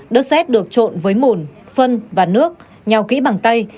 đất xét được trộn với mùn phân và nước nhào kỹ bằng tay